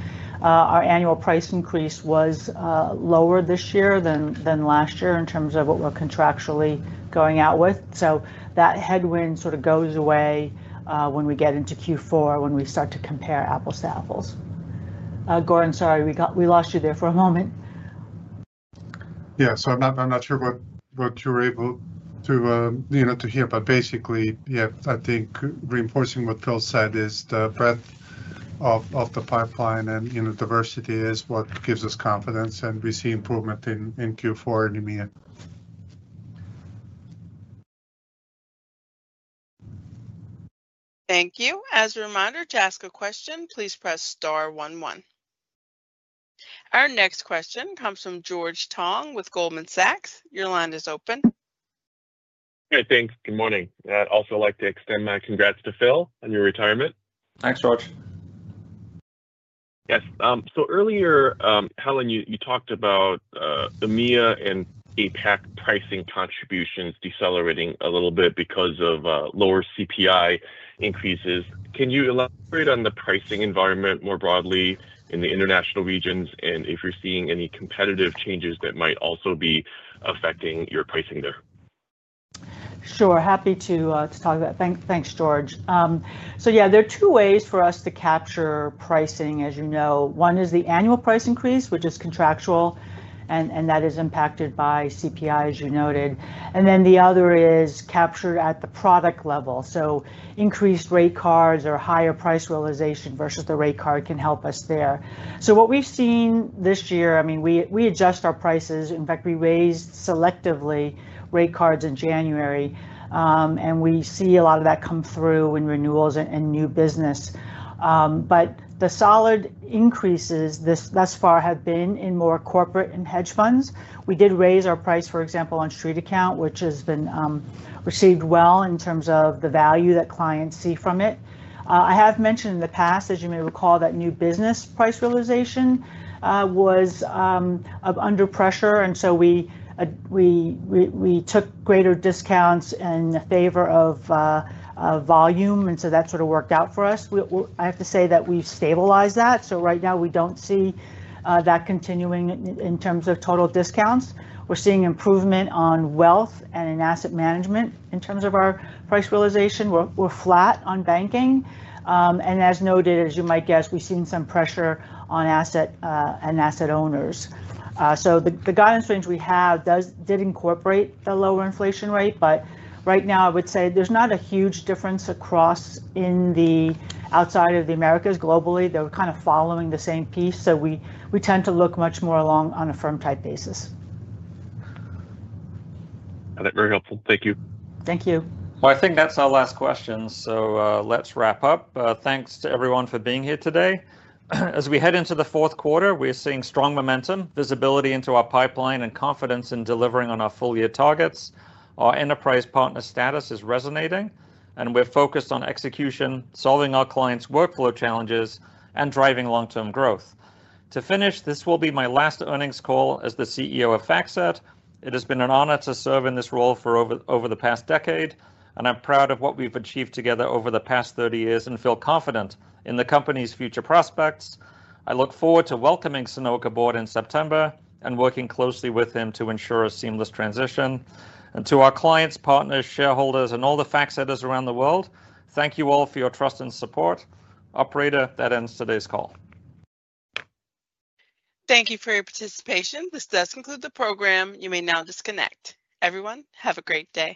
Speaker 4: our annual price increase was lower this year than last year in terms of what we're contractually going out with. That headwind sort of goes away when we get into Q4 when we start to compare apples to apples. Goran, sorry, we lost you there for a moment.
Speaker 6: Yeah. I'm not sure what you were able to hear. But basically, yeah, I think reinforcing what Phil said is the breadth of the pipeline and diversity is what gives us confidence, and we see improvement in Q4 and EMEA.
Speaker 1: Thank you. As a reminder to ask a question, please press star 11. Our next question comes from George Tong with Goldman Sachs. Your line is open.
Speaker 21: Hey, thanks. Good morning. I'd also like to extend my congrats to Phil and your retirement.
Speaker 3: Thanks, George.
Speaker 21: Yes. Earlier, Helen, you talked about EMEA and APAC pricing contributions decelerating a little bit because of lower CPI increases. Can you elaborate on the pricing environment more broadly in the international regions and if you're seeing any competitive changes that might also be affecting your pricing there?
Speaker 4: Sure. Happy to talk about it. Thanks, George. Yeah, there are two ways for us to capture pricing, as you know. One is the annual price increase, which is contractual, and that is impacted by CPI, as you noted. The other is captured at the product level. Increased rate cards or higher price realization versus the rate card can help us there. What we've seen this year, I mean, we adjust our prices. In fact, we raised selectively rate cards in January, and we see a lot of that come through in renewals and new business. The solid increases thus far have been in more corporate and hedge funds. We did raise our price, for example, on Street Account, which has been received well in terms of the value that clients see from it. I have mentioned in the past, as you may recall, that new business price realization was under pressure. We took greater discounts in favor of volume. That sort of worked out for us. I have to say that we've stabilized that. Right now, we don't see that continuing in terms of total discounts. We're seeing improvement on wealth and in asset management in terms of our price realization. We're flat on banking. As noted, as you might guess, we've seen some pressure on asset and asset owners. The guidance range we have did incorporate the lower inflation rate. Right now, I would say there's not a huge difference across in the outside of the Americas globally. They're kind of following the same piece. We tend to look much more along on a firm-type basis.
Speaker 21: That's very helpful. Thank you.
Speaker 4: Thank you.
Speaker 3: I think that's our last question. Let's wrap up. Thanks to everyone for being here today. As we head into the fourth quarter, we're seeing strong momentum, visibility into our pipeline, and confidence in delivering on our full-year targets. Our enterprise partner status is resonating, and we're focused on execution, solving our clients' workflow challenges, and driving long-term growth. To finish, this will be my last earnings call as the CEO of FactSet. It has been an honor to serve in this role for over the past decade, and I'm proud of what we've achieved together over the past 30 years and feel confident in the company's future prospects. I look forward to welcoming Sanoke Viswanathan in September and working closely with him to ensure a seamless transition. To our clients, partners, shareholders, and all the FactSetters around the world, thank you all for your trust and support. Operator, that ends today's call.
Speaker 1: Thank you for your participation. This does conclude the program. You may now disconnect. Everyone, have a great day.